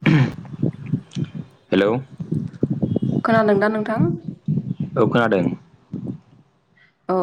[unintelligible] Hello. खोनादोंदा नोंथां? औ खोनादों। औ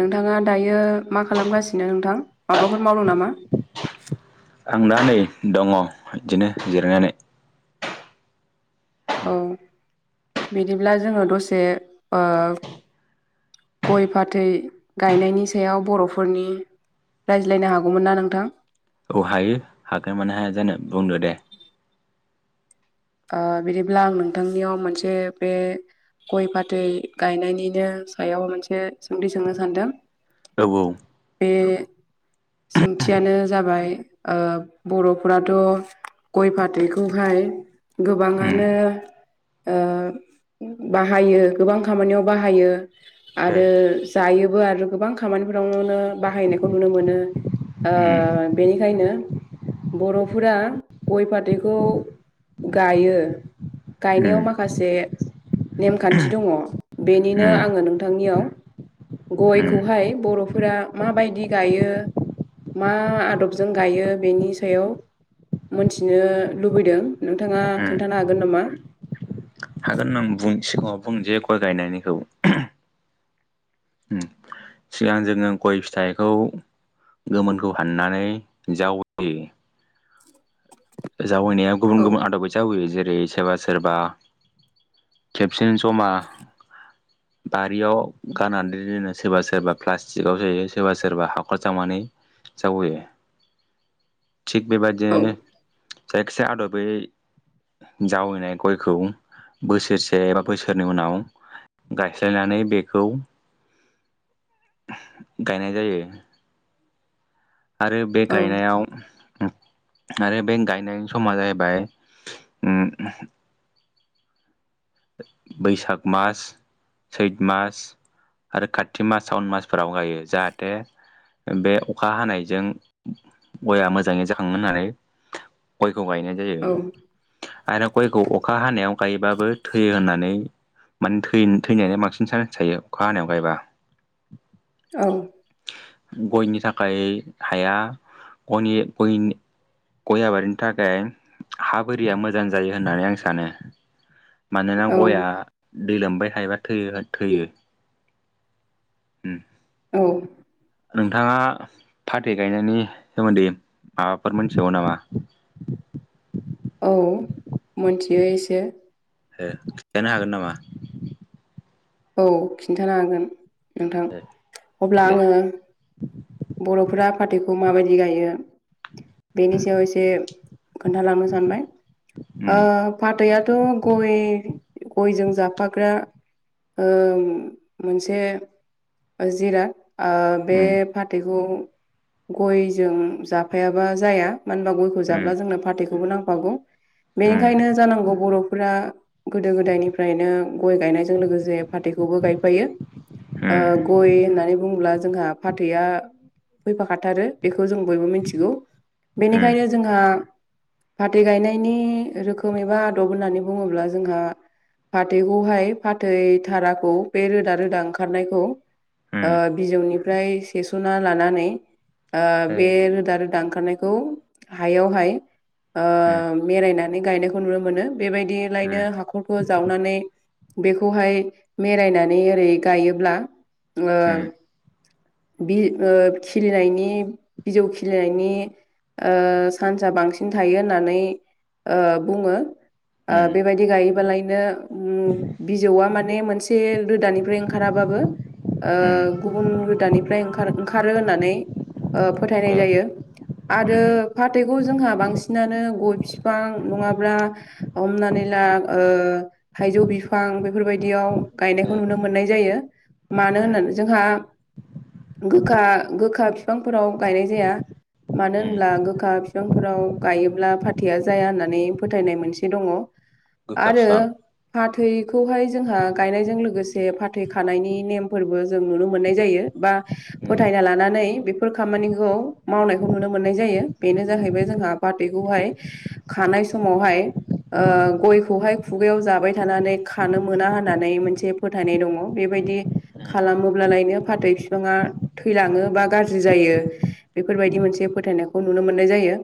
नोंथाङा दायो मा खालामगासिनो नोंथां, माबाफोर मावदों नामा? [unintelligible] आं दा नै दङ' इदिनो जिरायनानै। औ बिदिब्ला जोङो दसे ओ गय फाथै गायनायनि सायाव बर'फोरनि रायज्लायनो हागौमोन ना नोंथां? औ हायो, हागोन मानो हाया जानो बुंद दे। ओ बिदिब्ला आं नोंथांनियाव मोनसे बे गय फाथै गायनायनिनो सायाव मोनसे सोंथि सोंनो सानदों। औ औ। बे सोंथियानो जाबाय ओ बर'फोराथ' गय फाथैखौहाय उम गोबाङानो ओ बाहायो गोबां खामानियाव बाहायो आरो जायोबो आरो गोबां खामानिफोरावनो बाहायनायखौ नुनो मोनो। ओ उम बेनिखायनो बर'फोरा गय फाथैखौ गायो गायनायाव उम माखासे नेमखान्थि दङ। बेनिनो उम आङो नोंथांनियाव उम गयखौहाय बर'फोरा माबायदि गायो मा आदबजों गायो बेनि सायाव मोन्थिनो लुबैदों। नोंथाङा उम खोन्थानो हागोन नामा? हागोन होननानै बुं सिगाङाव बुं जे गय गायनायनिखौ। सिगां जोङो गय फिथाइखौ गोमोनखौ हाननानै जावैयो। जावैनाया गुबुन औ गुबुन आदबै जावयो जेरै सोरबा सोरबा खेबसेनो जमा [inaudible] बारियाव गारनानै दिनो सोरबा सोरबा प्लास्टिकआव सोयो सोरबा सोरबा हाखर जावनानै जावैयो। [inaudible] थिग औ बेबायदियैनो जायखिजाया आद'बै जावैनाय गयखौ बोसोरसे एबा बोसोरनै उनाव गायस्लायनानै बेखौ गायनाय जायो। आरो बे औ गायनायाव आरो बे गायनायनि समा जाहैबाय उम बैसाग मास, सैत मास, आरो खाथि मास, सावन मासफोराव गायो। जाहाथे बे अखा हानायजों गया मोजाङै जाखाङो होननानै गयखौ गायनाय औ जायो। आरो गयखौ अखा हानायाव गायोबाबो थैयो होननानै माने थै-थैनायनि बांसिन चान्स थायो अखा हानायाव गायबा। औ। गयनि थाखाय हाया गनि गय गय आबारिनि थाखाय हा बोरिया मोजां जायो होननानै आं सानो। मानोना औ गयआ दै लोमबाय थायोबा थैयो थैयो‌ उम। औ। नोंथाङा फाथै गायनायनि सोमोन्दै माबाफोर मोन्थिगौ नामा? औ मोन्थियो एसे। ओ खिन्थानो हागोन नामा? औ खिन्थानो हागोन नोंथां। अब्ला दे आङो बर'फोरा फाथैखौ माबायदि गायो बेनि सायाव एसे खोन्थालांनो सानबाय। ओ उम फाथैआथ' गय गयजों जाफाग्रा ओ मोनसे ओ जिराद ओ बे उम फाथैखौ गयजों जाफायाबा जाया। मानो होनबा गय खौ उम जाब्ला जोंनो फाथैखौबो नांफागौ। उम बेनिखायनो जानांगौ बर'फोरा गोदो गोदायनिफ्रायनो गय गायनायजों लोगोसे फाथैखौबो गायफायो। उम ओ गय होननानै बुङोब्ला जोंहा फाथैआ फैफाखाथारो। बेखौ जों बयबो मिन्थिगौ। उम बेनिखायनो जोंहा फाथै गायनायनि रोखोम एबा आदब होननानै बुङोब्ला जोंहा फाथैखौहाय फाथै धाराखौ बे रोदा रोदा ओंखारनायखौ उम ओ बिजौनि ओमफ्राय सेस'ना लानानै ओ बे रोदा रोदा ओंखारनायखौ हायावहाय ओ उम मेरायनानै गायनायखौ नुनो मोनो बेबायदि लायनो हाखरखौ जावनानै बेखौहाय मेरायनानै ओरै गायोब्ला ओ बि ओ खिलिनायनि बिजौ खिलिनायनि ओ सान्सआ बांसिन थायो होननानै ओ बुङो ओ उम बेबायदि गायोबालायनो बिजौआ माने मोनसे रोदानिफ्राय ओंखाराबाबो ओ उम ओ गुबुन रोदानि ओंखारो होननानै फोथायनाय जायो आरो उम फाथैखौ जोंहा बांसिन बांसिननानो गय बिफां नङाब्ला हमनानै ला ओ थाइजौ बिफां बेफोरबायदियाव ओ गायनायखौ नुनो मोननाय जायो मानो उम होननानै जोंहा गोखा गोखा बिफांफोराव गायनाय जाया मानो उम होनब्ला गोखा बिफांफोराव गायोब्ला फाथैया जाया होननानै फोथायनाय मोनसे दङ गोखा आरो बिफां फाथैखौहाय जोंहा गायनायजों लोगोसे फाथै खानायनि नेमफोरबो जों नुनो मोननाय जायो बा उम फोथायना लानानै बेफोर खामानिखौ मावनायखौ नुनो मोननाय जायो बेनो उम जाहैबाय जोंहा फाथैखौहाय खानाय समावहाय गयखौहाय खुगायाव जाबाय थानानै खानो मोना होननानै मोनसे फोथायनाय दङ बेबायदि औ खालामोब्लालायनो फाथै बिफाङा थैलाङो बा गाज्रि जायो। बेफोरबायदि मोनसे फोथायनायखौ नुनो मोननाय जायो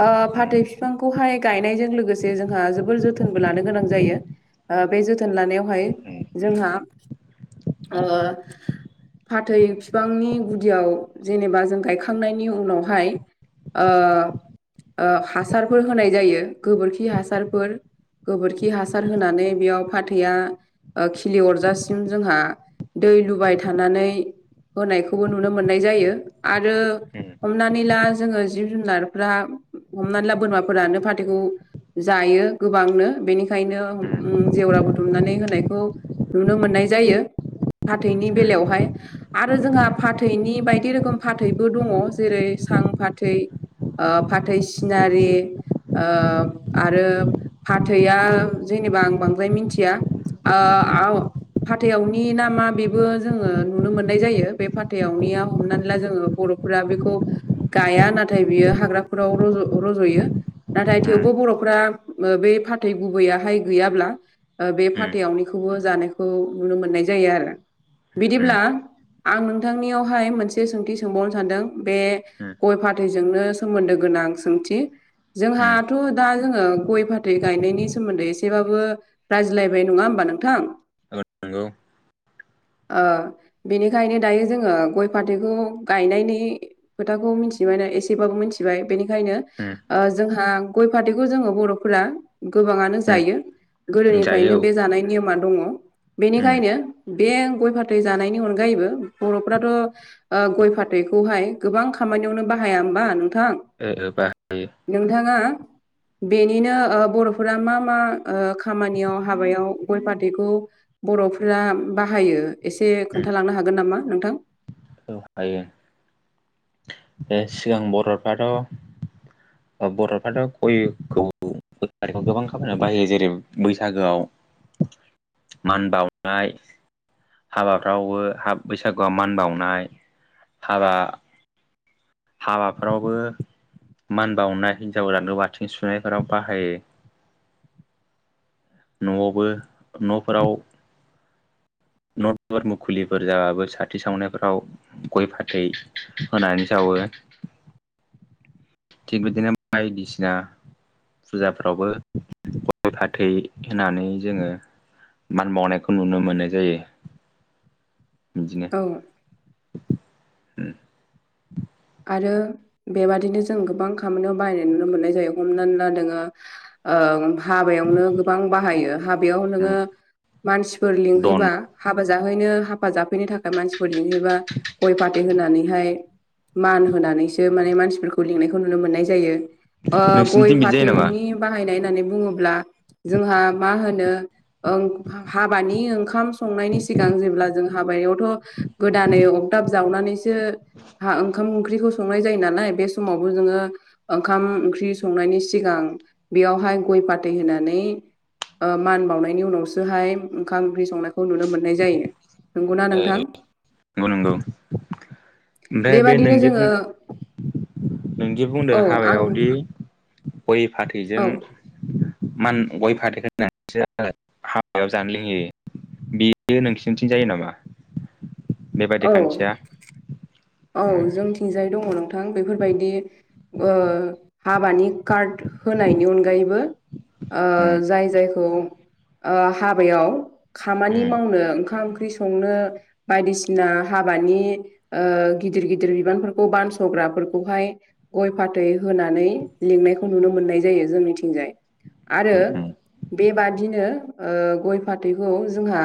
ओ फाथै फिफांखौहाय गायनायजों लोगोसे जोंहा जोबोर जोथोनबो लानो गोनां जायो बे जोथोन लानायावहाय जोंहा ओ फाथै बिफांनि गुदियाव जेनेबा जों गायखांनायनि उनावहाय ओ ओ हासारफोर होनाय जायो गोबोरखि हासारफोर गोबोरखि हासार होनानै बेयाव फाथैया खिलि अरजासिम जोंहा दै लुबाय थानानै होनायखौबो नुनो मोननाय जायो आरो हमनानै ला जोङो जिब जुनारफोरा हमनानै ला बोरमाफोरानो फाथैखौ जायो गोबांनो बेनिखायनो जेवरा दुमनानै होनायखौ नुनो मोननाय जायो फाथैनि बेलायावहाय आरो जोंहा फाथैनि बायदि रोखोम फाथैबो दङ जेरै सां फाथै ओ फाथै सिनारि आरो फाथैआ जेनेबा आं बांद्राय मिथिया ओ आव नंगौ फाथै आवनि ना मा बेबो जोङो नुनो मो ननाय जायो बे फाथथायावनिया हमनानै ला जोङो बर'फोरा बेखौ गाया नाथाय बियो हाग्राफोराव रज' रज'यो नाथाय थेवबो बर'फ्रा बे फाथै गुबैयाहाय गैयाब्ला बे फाथैआवनिखौबो जानायखौ नुनो मोननाय जायो आरो बिदिब्ला आं नोंथांनियावहाय मोनसे सोंथि सोंबावनो सानदों बे गय फाथैजोंनो सोमोन्दो गोनां सोंथि जोंहा [unintelligible] दा जोङो गय फाथै गायनायनि सोमोन्दै एसेबाबो रायज्लायबाय नङा होमबा नोंथां? नोंगौ ओ बेनिखायनो दायो जोङो गय फाथैखौ गायनायनि खोथाखौ मिथिबायना एसेबाबो मिथिबाय बेनिखायनो उम। ओ जोंहा गय फाथैखौ जोङो बर'फोरा गोबाङानो जायो। गोदोनिफ्रायनो जायो औ बे जानाय नियमा दङ बेनिखायनो बे गय फाथै जानायनि अन जबो बर'फथ' ओ गय फाथैखौहाय गोबां खामानियावनो बाहाया होमबा नोंथां। ओ ओ बाहायो। नोंथाङा बेनिनो ओ बर'फोरा मा मा खामानियाव हाबायाव गय फाथैखौ बर'फोरा बाहायो एसे औ खोन्थालांनो हागोन नामा नोंथां? हायो। सिगां बर'फ्राथ' बर'फ्राथ' गयखौ गय फाथैखौ गोबां खामाययाव बाहायो जेरै बैसागोआव [inaudible] मान बावनाय हाबाफ्रावबो बैसागुआ मान बावनाय हाबा हाबाफोरावबो मान बाावनाय हिन्जाव जानोवाथिं सुनायफोराव बाहायो न'आवबो न'फोराव नटफोर मुखुलिफोर जाबाबो साथि सावनायफोराव। गय फाथै होनानै जावो। थिग बिदिनो बायायदिसिना फुजाफ्रावबो गय फाथै होनानै जोङो मान बावनायखौ नुनो मोननाय जायो। [unintelligible] उम। [unintelligible] आरो बेबादिनो जों गोबां खामानियाव बायनाय नुनो मोननाय जायो हमनानै ला नोङो ओ हाबायावनो गोबां बाहायो हाबायाव नोङो उम मानसिफोर दन लिंहैबा हाबा जाहैनो हाबा जाफैनो थाखाय मानसिफोर लिंहैबा गय फाथै होनानैहाय मान होनानैसो माने मानसिफोरखौ लिंनायखौ नुनो मोननाय जायो। ओ गय नोंसिनिथिं बिदि जायो नामा? फाथैनि बाहायनाय होननानै बुङोब्ला जोंहा मा होनो हाबानि ओंखाम संनायनि सिगां जेब्ला जों हाबायावथ' गोदानै अगदाब जावनानैसो हा ओंखाम ओंख्रिखौ संनाय जायो नालाय बे समावबो नोङो ओंखाम ओंख्रि संनायनि सिगां बेयावहाय गय फाथै होनानै ओ मान बावनायनि उनावसोहाय ओंखाम ओंख्रि संनायखौ नुनो मोननाय जायो नंगौना नोंथां? नंगौ नंगौ ओमफ्राय बे बेबादिनो नोंजे जोङो बुं नोंदि बुंदों औ आं हाबायावदि गय फाथैजों औ मान गय फाथै‌ होनानैसो हाबायाव जानो लोंहोयो बेयो नोंसिनिथिं जायो नामा? बेबायदि औ खान्थिया? औ उम जोंथिंजाय दङ नोंथां बेफोरबायदि हाबानि कार्ड होनायनि अनगायैबो ओ जाय जायखौ ओ हाबायाव खामानि उम मावनो ओंखाम ओंख्रि संनो बायदिसिना हाबानि ओ गिदिर गिदिर बिबानफोरखौ बानस'ग्राफोरखौहाय गय फाथै होनानै लिंनायखौ नुनो मोननाय जायो जोंनिथिंजाय आरो उम उम बेबादिनो गय फाथैखौ जोंहा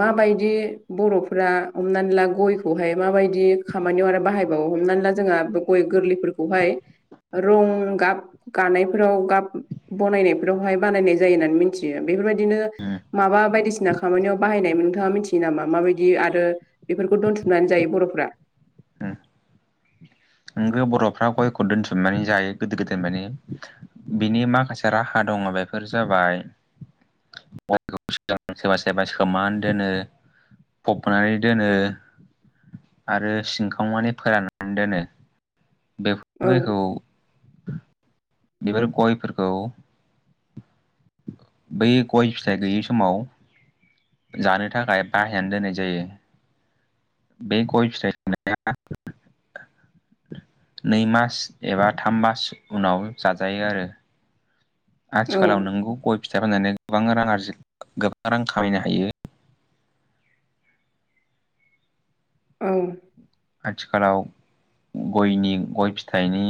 माबायदि बर'फोरा हमनानै ला गयखौहाय माबायदि खामानियाव आरो बाहायबावो हमनानै ला जोंहा गय गोरलैफोरखौहाय रंगाब गानायफोराव गाब बनायनायफोरावहाय बानायनाय जायो होननानै मिथियो। बेफोरबायदिनो उम माबा बायदिसिना खामानियाव बाहायनाय नोंथाङा मिथियो नामा माबायदि आरो बेफोरखौ दोनथुमनानै जायो बर'फ्रा नोगौ बर'फ्रा गयखौ दोनसुमनानै जायो गोदो गोदायनि फ्राय माने बिनि माखासे राहा दङ बेफोर जाबाय सोरबा सोरबा सोमान दोनो फबनानै दोनो आरो सिनखावनानै फोराननानै दोनो। औ बेफोर जायखौ बेफोर गयफोरखौ बै गय फिथाइ गैयै समाव जानो थाखाय बाहायनानै दोननाय जायो बे गय फिथाय खानाया नै मास एबा थाम मास उनाव जाजायो आरो। औ आथिखालाव नोंगौ गय फिथाइ फाननानै गोबां रां आरजि गोबां रां खामायनो हायो। औ आथिखालाव गयनि गय फिथाइनि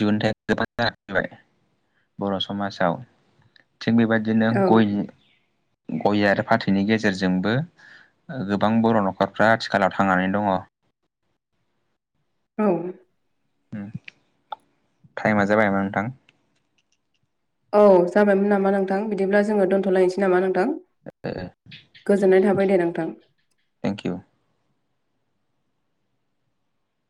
दिहुनथायाइ गोबां जौगाबाय बर' समाजाव थिग बेबायदि नो औ गय गय आरो फाथैनि गेजेरजोंबो गोबां बर' न'खरफ्रा आथिखालाव थांनानै दङ। औ टाइमा जाबाय मोन नोंथां। औ जाबायमोन नामा नोंथां बिदिब्ला जोङो दोन्थ'लायनोसै नामा नोंथां। ओ गोजोननाय थाबाय दे नोंथां। इउ